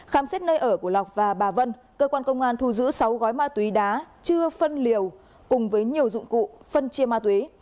khám xét nơi ở của lọc và bà vân cơ quan công an thu giữ sáu gói ma túy đá chưa phân liều cùng với nhiều dụng cụ phân chia ma túy